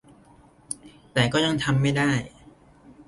แต่ก็ยังทำไม่ได้